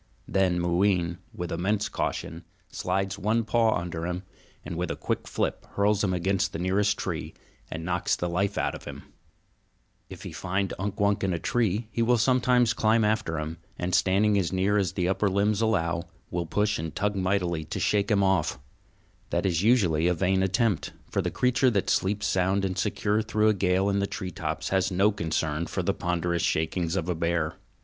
Then Mooween, with immense caution, slides one paw under him and with a quick flip hurls him against the nearest tree, and knocks the life out of him. [Illustration: "BOTHERS AND IRRITATES THE PORCUPINE BY FLIPPING EARTH AT HIM"] If he find Unk Wunk in a tree, he will sometimes climb after him and, standing as near as the upper limbs allow, will push and tug mightily to shake him off. That is usually a vain attempt; for the creature that sleeps sound and secure through a gale in the tree tops has no concern for the ponderous shakings of a bear.